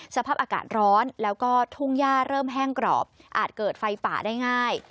สภาพอากาศร้อนแล้วก็ทุ่งย่าเริ่มแห้งกรอบอาจเกิดไฟป่าได้ง่าย